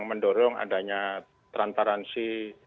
mendorong adanya terantaransi